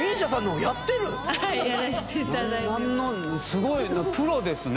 すごい。